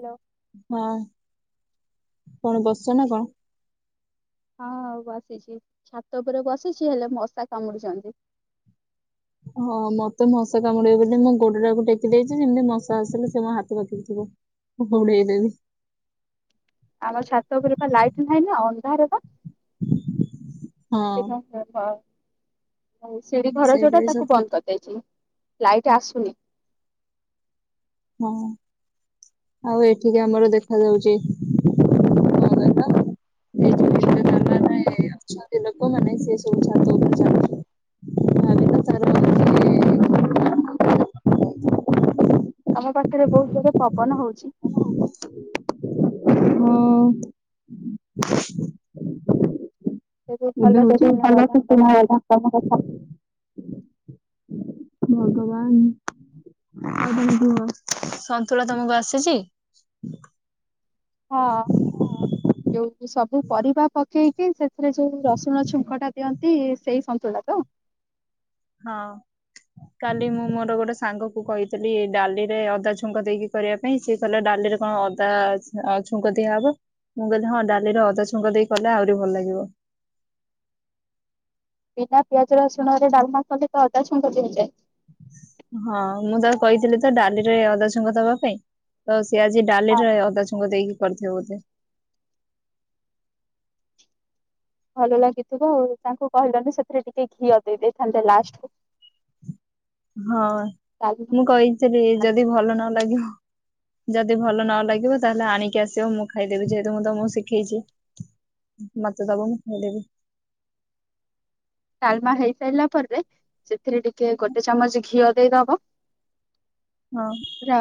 Hello. ହଁ କଣ ବସିଚ ନା କଣ। ହଁ ଆଉ ବସିଛି ଛାତ ଉପରେ ବସିଛି ହେଲେ ମଶା କାମୁଡୁଛନ୍ତି। ହଁ ମତେ ମଶା କାମୁଡେ ବୋଲି ମୁଁ ଗୋଡଟାକୁ ଟେକି ଦେଇଛି ଯେମିତି ମଶା ଆସିଲେ ସେ ମୋ ହାତ ପାଖରେ ଥିବ ମୁଁ ଘୋଡେଇ ଦେବି। ଆମର ଛାତ ଉପରେ ବା ଲାଇଟ ନାହିଁ ନା ଅନ୍ଧାର ବା। ସେଇଥିପାଇଁ ହଁ କହୁଚି ଧ। ଶିଢି ଘର ସେଇଟା ଯୋଉଟା ବି ତାକୁ ସତ ବନ୍ଦ କରିଦେଇଛି। ଲାଇଟ ଆସୁନି। ହଁ ଆଉ ଏଠିକି ଆମର ଦେଖାଯାଉଛି କଣ କହିଲ। ଏଇ ଯୋଉ ଇନ୍ଦ୍ରଧନୁରେ ଅଛନ୍ତି ଲୋକମାନେ ସେ ସବୁଛାତ ଉପରେ ଚାଲୁଛନ୍ତି ଖରା ଦିନ ତାର ହଉଚି। [unintelligible] ଆମ ପାଖରେ ବହୁତ ଜୋରେ ପବନ ହଉଛି। ହଁ। ଏବେ ଭଲସେ ଭଲ ଶୁଭାଗଲା ଶୁଣାଗଲା ତମ ତୁ-ତୁମ କଥା ତମ କଥା। ଭଗବାନ ଆଉ କଣ କୁହ ସନ୍ତୁଳା ତମକୁ ଆସୁଛି। ହଁ ଯଉ ସବୁ ପରିବା ପ କେଇ କିି ସେ ସେଥିରେ ଯୋଉ ରସୁଣ ଛୁଙ୍କଟା ଦିଅନ୍ତ ତି ସେଇ ସନ୍ତୁଳା ତ? ହଁ କାଲି ମୁଁ ମୋର ଗୋଟେ ସାଙ୍ଗ କୁ କହିଥିଲି ଡାଲିରେ ଅଦା ଛୁଙ୍କ ଦେଇକି କରିବା ପାଇଁ, ସେ କହିଲା ଡାଲିରେ କଣ ଅଦା ଆ ଛୁଙ୍କ ଦିଆହବ ମୁଁ କହିଲି ହଁ ଡାଲିରେ ଅଦାଛୁଙ୍କ ଦେଇକି କଲେ ଆହୁରି ଭଲ ଲାଗିବ। ବିନା ପିଆଜ ରସୁଣ ରେ ଡାଲମା କଲେ ତ ଅଦା ଛୁଙ୍କ ଦିଆଯାଏ। ହଁ ମୁଁ ତାକୁ କହିଥିଲି ତ ଡାଲିରେ ଅଦାଛୁଙ୍କ ଦବା ପାଇଁ ତ ସେ ଆଜି ହଁ ଡାଲିରେ ଅଦା ଛୁଙ୍କ ଦେଇକି କରିଥିବ ବୋଧେ ଭଲ ଲାଗିଥିବ ଆଉ ତାଙ୍କୁ କହିଲନି ସେଥିରେ ଟିକେ ଘିଅ ଦେଇଦେଇ । ହଁ ତ ଲାଷ୍ଟ କୁ ହଁ! ମୁଁ ଡାଲମା କହିଥିଲି ଯଦି ଭଲ ନ ଲାଗିବ ଯଦି ଭଲ ନ ଲାଗିବ ତାହେଲେ ଆଣିକି ଆସିବ ମୁଁ ଖାଇଦେବି, ଯେହେତୁ ମୁଁ ତୁମକୁ ଶିଖେଇଛି, ମତେ ଦବ ମୁଁ ଖାଇଦେବି। ଡାଲମା ହେଇସାରିଲା ପରେ ସେଥିରେ ଟିକେ ଗୋଟେ ଚାମଚ ଘିଅ ଦେଇ ଦବ। ହଁ ର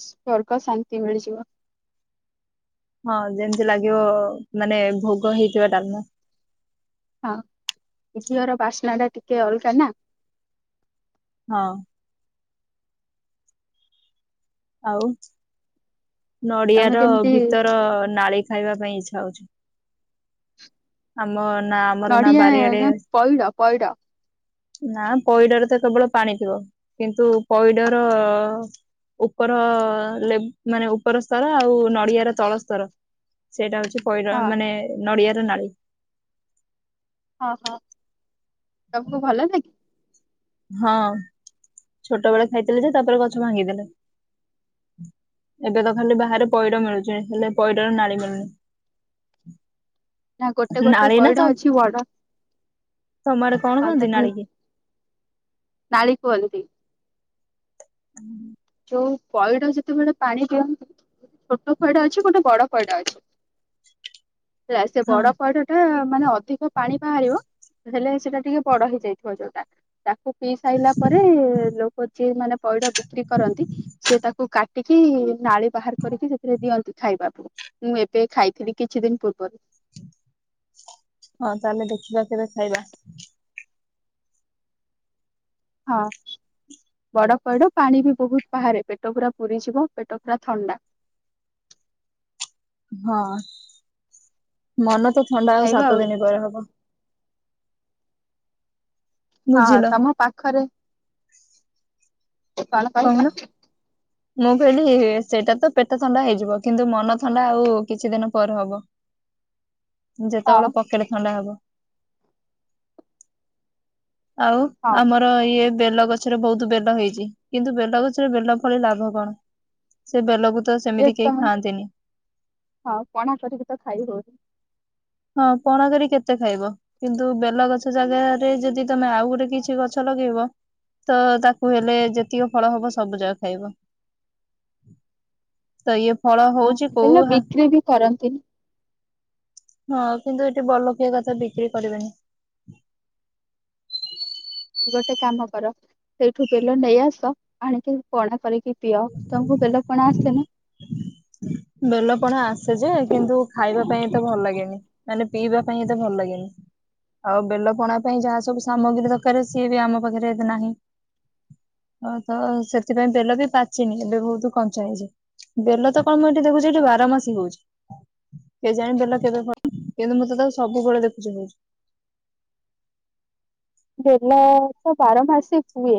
ସ୍ବର୍ଗ ଶାନ୍ତି ମିଳିଯିବ। ହଁ ଯେମିତି ଲାଗିବ ମାନେ ଭୋଗ ହେଇଥିବା ଡାଲମା। ହଁ ଘିଅର ବାସ୍ନା ଟା ଟିକେ ଅଲଗା ନା । ହଁ। ଆଉ ନଡିଆ ତମେ ର କେମିତି ଭିତର ନାଳି ଖାଇବା ପାଇଁ ଇଛା [unintelligible] ଆମ- ନା ଆମର ନା ନଡିଆ ବାରିଆଡେ ନା ପଇଡ ପଇଡ ନା ପଇଡରେ ତ କେବଳ ପାଣି ଥିବ, କିନ୍ତୁ ପଇଡର ଉପର ମାନେ ଉପର ସ୍ତର ଆଉ ନଡିଆର ତଳ ସ୍ତର ସେଇଟା ହଉଛି ପଇଡ, ହଁ ମାନେ ନଡିଆ ନାଳୀ ହଁ ହଁ ତମକୁ ଭଲ ଲାଗେ? ହଁ! ଛୋଟ ବେଳେ ଖାଇଥିଲେ ଯେ ତାପରେ ଗଛ ଭାଙ୍ଗିଦେଲେ, ଏବେ ତ ଖାଲି ବାହାରେ ପଇଡ ମିଳୁଛି ହେଲେ ପଇଡର ନାଳି ମିଳୁନି। ନା ଗୋଟେ ଗୋଟେ ନାଳି ନା ପଇଡ ତ ଅଛି ବଡ, ତମ ଆଡେ କଣ ହଁ କହନ୍ତି ତାକୁ ନାଳିକି ନାଳୀ କୁହନ୍ତି । ହୁଁ। ଯୋଉ ପଇଡ଼ ଯେତେବେଳେ ପାଣି ଦିଅନ୍ତି, ଗୋଟେ ଛୋଟ ପଇଡ଼ ଅଛି ଗୋଟେ ବଡ ପଇଡ଼ ଅଛି। ହେଲା, ସେ ହଁ ବଡ ପଇଠ ଟା ମାନେ ଅଧିକ ପାଣି ବାହାରିବ। ହେଲେ ସେଟା ଟିକେ ବଡ ହେଇଯାଇଥିବ ଯୋଉଟା ତା ପିଇ ସାରିଲା ପରେ, ଲୋକ ଯିଏ ମାନେ ପଇଡ ବିକ୍ରି କରନ୍ତି ସେ ତାକୁ କାଟିକି ନାଳି ବାହାର କରିକି ସେଥିରେ ଦିଅନ୍ତି ଖାଇବାକୁ ମୁଁ ଏବେ ଖାଇଥିଲି କିଛି ଦିନି ପୁର୍ବୁରୁ। ହଁ ତାହେଲେ ଦେଖିବା କେବେ ଖାଇବା। ହଁ ବଡ଼ ପଇଡ଼ ପାଣି ବି ବହୁତ୍ ବାହାରେ ପେଟ ପୁରା ପୁରିଯିବ ପେଟ ପୁରା ଥଣ୍ଡା। ହଁ ମନ ତ। ଥଣ୍ଡା ଆଉ ସାତ ଦିନ ପରେ ହବ। ହଁ ହଁ ବୁଝିଲ ତମ ପାଖରେ କଣ କହିଲ। କହୁନ ମୁଁ କହିଲି ସେଟା ତ ପେଟ ଥଣ୍ଡା ହେଇଯିବ କିନ୍ତୁ ମନ ଥଣ୍ଡା ଆଉ କିଛିଦିନ ପରେ ହବ। ହଁ ଯେତେବେଳେ ପକେଟ ଥଣ୍ଡା ହବ। ଆଉ ହଁ ଆମର ଇଏ। ବେଲ ଗଛରେ ବହୁତ ବେଲ ହେଇଛି କିନ୍ତୁ ବେଲ ଗଛରେ ବେଲ ଫଳି ଲାଭ କଣ ସେ । ଯେ ତମେ ହଁ ପଣା କରିକି ତ ଖାଇ ହଉଚି। ହଁ ପଣା କରି କେତେ ଖାଇବ କିନ୍ତୁ ବେଲ ଗଛ ଜାଗାରେ ଯଦି ତମେ ଆଉ ଗୋଟେ କିଛି ଗଛ ଲଗେଇବ ତ ତାକୁ ହେଲେ ଯେତିକ ଫଳ ହବ ସବୁଯାକ ଖାଇବ। ଫଳ ହଁ ହଉଛି କୋଉ ପିଲା ହଁ ବିକ୍ରି ବି କରନ୍ତି । ହଁ କିନ୍ତୁ ଏଠି ବଡ଼ଲୋକିଆ କଥା ବିକ୍ରୀ କରିବେନି। ଗୋଟେ କାମ କର ସେଇଠୁ ବେଲ ନେଇଆସ ଆଣିକି ପନା କରିକି। ପିଅ ତମକୁ ବେଲ ପଣା ଆସେନି। ବେଲପଣା ଆସେ ଯେ କିନ୍ତୁ ଖାଇବା ପାଇଁ ଏତେ ଭଲ ଲାଗେନି। ପିଇବା ପାଇଁ ଏତେ ଭଲ ଲାଗେନି ଆଉ ବେଲ ପଣା ପାଇଁ ଯାହା ସବୁ ସାମଗ୍ରୀ ଦକାରେ ସିଏ ବି ଆମ ପାଖରେ ନାହିଁ ତ ସେଥି ପାଇଁ ବେଲ ବି ପାଚିନି ଏବେ ବହୁତ କଞ୍ଚା ହେଇଚି ବେଲ। ମୁଁ ତ ଦେଖୁଚି ଏଠି ବାରମାସୀ ହଉଚି କେଜାଣି ବେଲ କେବେ ଫଳିବ ମୁଁ ତ ତାକୁ ସବବେଳେ ଦେଖୁଚି ହଉଚି। ବେଲ ତ ବାରମାସୀ ହୁଏ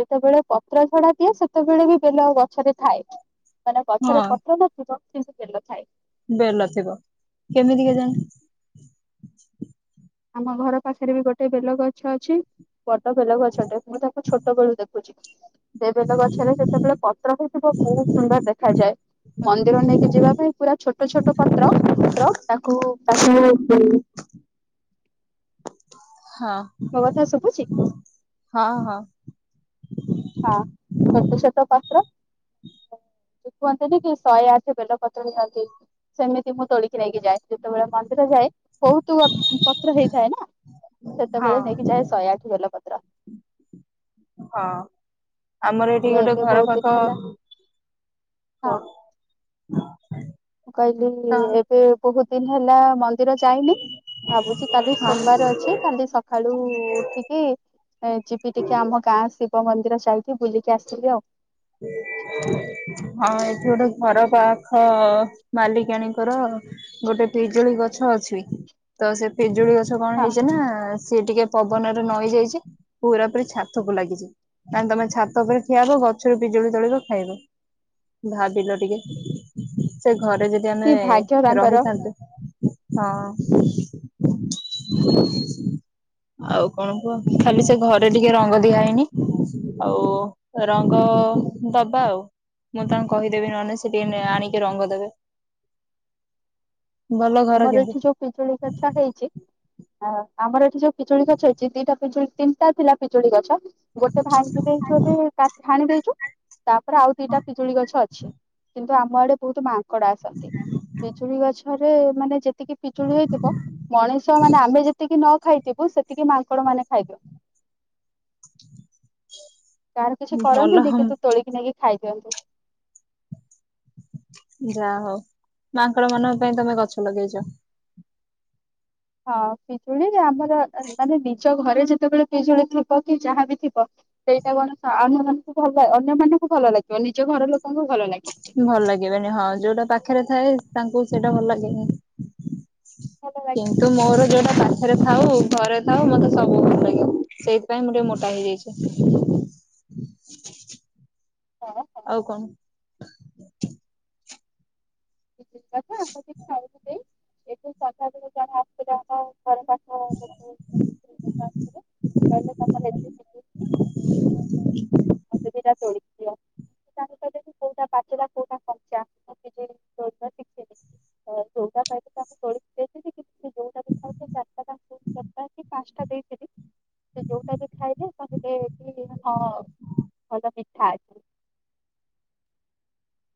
ଯେତେ ବେଳେ ପତ୍ରଝଡଆ ଦିଏ ସେତେ ବେଳେ ବି ବେଲ ଗଛରେ ଥାଏ। ମାନେ ଗଛରେ ହଁ ପତ୍ର ତ ଥିବ। ଚିନ୍ତିତ କଥା। ବେଲ ଥିବ କେମିତି କେଜାଣି। ଆମ ଘର ପାଖରେ ବି ଗୋଟେ ବେଲ ଗଛ ଅଛି। ବଡ ବେଲ ଗଛଟେ ମୁଁ ତାକୁ ଛୋଟ ବେଳୁ ଦେଖୁଛି। ସେ ବେଲ ଗଛରେ ସେତେବେଳେ ପତ୍ର ହଉଥିବ ବହୁତ ସୁନ୍ଦର୍ ଦେଖାଯାଏ। ମନ୍ଦିର ନେଇକି ଯିବା ପାଇଁ ପୁରା ଛୋଟ ଛୋଟ ପ। ପ୍ରକ୍ ତାକୁ। ମୋ କଥା ଶୁଭୁଛି ହଁ ହଁ ହଁ। ହଁ ଛୋଟ କୁହନ୍ତିନ କି ଶହେ ଆଠ ବେଲ ପତ୍ର ନିଅନ୍ତି ସେମିତି ମୁଁ ତୋଳିକି ନେଇକି ଯାଏ ଯେତେବେଳେ ମନ୍ଦିର ଯାଏ ବହୁତ ପତ୍ର ହେଇଥାଏ ନା। ସେତେବେଳେ ନେଇକି ଯାଏ ସହେ ଆଠ ବେଲ ପତ୍ର। ତ୍ର। ହଁ ଆମର ଏଇଠି ଗୋଟେ ଏବେ ଘର ବହୁତ ପାଖ ଦିନ ହେଲା ହଁ [unintelligible] ମୁଁ କଇଲି ଏବେ ବୋହୁତ ଦିନ ହେଲା ମନ୍ଦିର ଯାଇନି ଭାବୁଛି କାଲି ହଁ। ସୋମବାର ଅଛି କାଲି ସକାଳୁ ଉଠିକି ଏ ଯିବି ଟିକେ ଆମ ଗାଁ ଶିବ୍ ବ ମନ୍ଦିର ଯାଇକି ବୁଲିକି ଆସିବି ଆଉ। ହଁ ଏଠି ଗୋଟେ ଘର ପାଖ ମାଲିକାଣୀଙ୍କର ଗୋଟେ ପିଜୁଳି ଗଛ ଅଛି ତ ସେ ପିଜୁଳି ଗଛ୍ ତ କଣ ହଁ ହେଇଚି ନା ସିଏ ଟିକେ ପବନରେ ନଇ ଯାଇଚି ପୁରାପୁରି ଛାତକୁ ଲାଗିଚି ତାହାନେ ତମେ ଛାତ ଉପରେ ଠିଆ ହବ ଗ ଛରୁ ପିଜୁଳି ତୋଳିବ ଖାଇବ ଭାବିଲ ଟିକେ ସେ ଘରେ ଯଦି ଆମେ କି ଭାଗ୍ୟ ତାଙ୍କର ରହିଥାନ୍ତୁ ହଁ ଆଉ କଣ କୁହ ଖାଲି ସେ ଘରେ ଟିକେ ରଙ୍ଗ ଦିଆ ହେଇନି ଆଉ ର ଙ୍ଗ ଦବା ଆଉ। ମୁଁ ତାଙ୍କୁ କହିଦେବି ନହେନେ ସେ ଟିକେ ନେଇ ଆଣିକି ରଙ୍ଗ ଦେବେ। ଭଲ ଘର ଆମର ଏଠି କିନ୍ତୁ ଯୋଉ ପିଜୁଳି ଗଛ ହେଇଚି ଆ ଆମର ଏଠି ଯୋଉ ପିଜୁଳି ଗଛ ହେଇଚି। ଦିଟା ପିଜୁଳି ତିନ୍ ଟା ଥିଲା ପିଜୁଳି ଗଛ। ଗୋଟେ ଭାଙ୍ଗି ଦେଇଚୁ ଏବେ କାଟ୍ ହାଣି ଦେଇ ତାପରେ ଆଉ ଦିଟା ପିଜୁଳି ଗଛ ଅ ଛି କିନ୍ତୁ ଆମ ଆଡ଼େ ବହୁତ ମାନ୍ ଙ୍କଡ଼ ଆସନ୍ତି ପିଜୁଳି ଗଛ ରେ ମାନେ ଯେତ୍ ତିକି ପିଜୁଳି ହେଇଥିବ ମଣିଷ ମାନେ ଆମେ ଯେତିକି ନ ଖାଇ ଥିବୁ ସେତିକି ମାଙ୍କଡ଼ ମାନେ ଖାଇଦିଅ କାର କିଛି କରନ୍ତିନି ଭଲ କିନ୍ତୁ ତୋଳିକି ନେଇକି ଖାଇଦିଅନ୍ତି। ଯା ହଉ ମାଙ୍କଡ଼ ମାନଙ୍କ ପାଇଁ ତମେ ଗଛ ଲଗେଇଚ। ହଁ ପିଜୁଳି ଆମ୍ୱ ଲ୍ [unintelligible] ମାନେ ବିଶ୍ ଜ ଘରେ ଯେତେବେଳେ ପିଜୁଳି ଥିବ କି ଯାହାବି ଥିବ ସେଇଟା କଣ ସା ଆମ ମାନଙ୍କୁ ଭଲ ଅନ୍ୟ ମାନଙ୍କୁ ଭଲ ଲାଗିବ ନିଜ ଘର ଲୋକ୍ ଭଲ ଲାଗିବନି ହଁ ଯୋଉଟା ପାଖେରେ ଥାଏ ତାଙ୍କୁ ସେଟା ଭଲ ଲାଗେନି। ଭଲ ଲାଗେ କିନ୍ତୁ ମୋରୋ ଯୋଉଟା ପାଖେରେ ଥାଉ ଘରେ ଥାଉ ମତେ ସବୁ ଭଲ ଲାଗିବ ସେଇଥିପାଇଁ ମୁଁ ଟିକେ ମୋଟା ହେଇଯାଇଚି। ଏଠି ଆଉ କଣ? [inaudible] [unintelligible] ସ୍ତ୍ରୀ ଲୋକ ଆସିଥିଲେ କହିଲେ ତମର ଏତେ ଶିଖିଛି ମତେ [inaudible] ଦିଟା ତୋଳିକି ଦିଅ ତାଙ୍କୁ କହିଲେ କି କୋଉଟା ପାଚିଲା କୋଉଟା କଞ୍ଚା ମୁଁ ନିଜେ ତୋଳିବା ଶିଖିନି ଯୋଉଟା ପାଇଲି ତାକୁ ତୋଳିକି ଦେଇଥିଲି କିନ୍ତୁ ସେ ଯୋଉଟା ବି ଖାଇଲେ ଚାରିଟା ତାଙ୍କୁ ଚାରିଟା କି ପାଞ୍ଚଟା ଦେଇଥିଲି ସେ ଯୋଉଟା ବି ଖାଇଲେ [inaudible] କହିଲେ କି ହଁ ଭଲ ମିଠା ଅଛି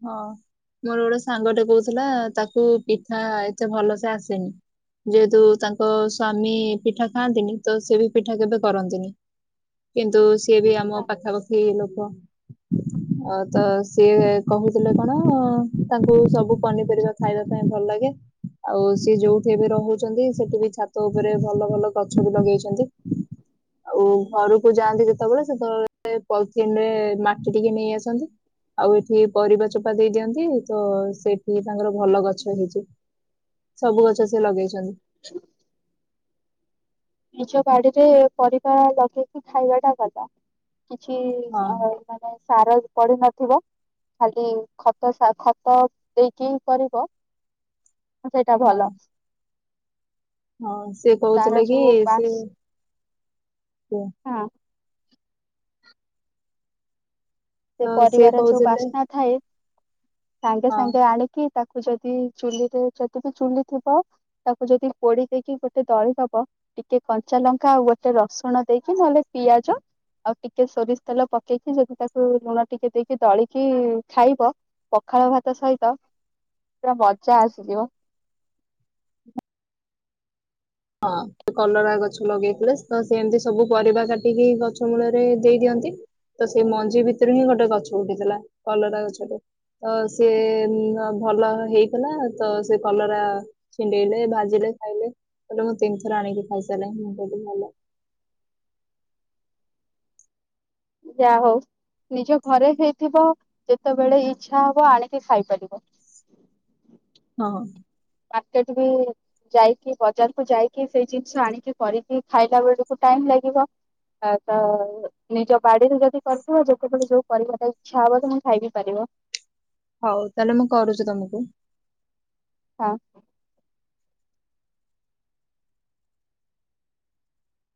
ହଁ ମୋର ଗୋଟେ ସାଙ୍ଗଟେ କହୁଥିଲା ତାକୁ ପିଠା ଏତେ ଭଲସେ ଆସେନି। ଯେହେତୁ ତାଙ୍କ ସ୍ଵାମୀ ପିଠା ଖାଆନ୍ତିନି ତ ସେ ବି ପିଠା କେବେ କରନ୍ତିନି କିନ୍ତୁ ସେ ବି ଆମ ପାଖାପାଖି ଲୋକ। ଅ ତ ସିଏ କହୁଥିଲେ କଣ ତାଙ୍କୁ ସବୁ ପନିପରିବା ଖାଇବା ପାଇଁ ଭଲ ଲାଗେ ଆଉ ସିଏ ଯୋଉଠି ଏବେ ରହୁଛନ୍ତି ସେଠି ବି ଛାତ ଉପରେ ଭଲ ଭଲ ଗଛ ବି ଲଗେଇଛନ୍ତି ଆଉ ଘରକୁ ଯାଆନ୍ତି ଯେତେବେଳେ ସେତେବେଳେ ପଲଥିନରେ ମାଟି ଟିକେ ନେଇ ଆସନ୍ତି ଆଉ ଏ ପରିବା ଚୋପା ଦେଇ ଦିଅନ୍ତି ତ ସେଠି ତାଙ୍କର ଭଲ ଗଛ ହେଇଛି ସବୁ ଗଛ ସେ ଲଗେଇଛନ୍ତି। [inaudible] ନିଜ ବାଡିରେ ପରିବା ଲଗେଇକି ଖାଇବା ଟା ଭଲ । ହଁ କିଛି ମାନେ ସାର ପଡି ନ ଥାଏ। ଥିବ ଖାଲି ଖତ ଖତ ଦେଇକି କରିବ । ସେଇଟା ହଁ ଭଲ । ହଁ। ସେି କହୁଥିଲେ କି ସେି ବାସ କୁହ। ହଁ ତ ସେ ସିଏ ପରିିବାର ଯଉ କହୁଥିଲେ ବାସନା ଏ। ସାଙ୍ଗେ ହଁ ସାଙ୍ଗେ ଆଣିକି ତାକୁ ଯଦି ଚୁଲିରେ ଯଦି ବିି ଚୁଲି ଥିବ ତାକୁ ଯଦି ପୋଡି ଦେଇକି ଗୋଟେ ଦଳି ଦବ ଟିକେ କଞ୍ଚା ଲଙ୍କା ଆଉ ଗୋଟେ ରସୁଣ ଦେଇକି ନହେଲେ ପିଆଜ ଆଉ ଟିକେ ସୋରିଷ ତେଲ ପକେଇକି ଯଦି ତାକୁ ଲୁଣ ଟିକେ ଦେଇକି ଦଳିକି ଖାଇବ ପଖାଳ ଭାତ ସହିତ ପୁରା ମଜା ଆସିଯିବ। [unintelligible] ହଁ ସେ କଲରା ଗଛ ଲଗେଇଥିଲେ ତ ସେ ଏମିତି ସବୁ ପରିବା କାଟିକି ଗଛ ମୂଳରେ ଦେଇ ଦିଅନ୍ତି ତ ସେ ମଞ୍ଜି ଭିତରୁ ହିଁ ଗୋଟେ ଗଛ ଉଠିଥିଲା କଲରା ଗଛଟେ ତ ସି ଭଲ ହେଇଥିଲା ତ ସେ କଲରା ଛିଣ୍ଡେଇଲେ ଭାଜିଲେ ଖାଇଲେ । ଆ ଲୋ ମୁଁ ତିନ ଥର ଆଣକି ଖଇଇ ସା ନାହି ମୁ କ ଭ ଯାହା ହଉ ନିଜ ଘରେ ହେଇଥିବ ଯେତେବେଳେ ଇଚ୍ଛା ହବ ଆଣିକି ଖାଇପାରିବ। ହଁ। ମାର୍କେଟ ବି ଯାଇକି ବଜାରକୁ ଯାଇକି ସେଇ ଜିନିଷ ଆଣିକି କରିକି ଖାଇଲା ବେଳକୁ ଟାଇମ ଲାଗିବ ତ ନିଜ ବାଡିରେ ଯଦି କରିଥିବ ଯେତେବେଳେ ଯୋଉ କରିବାଟ ଇଚ୍ଛା ହବ ତ ମୁଁ ଖାଇ ପାରିବ। ହଉ ତାହେଲେ ମୁଁ କରୁଛି ତମକୁ। ହଁ।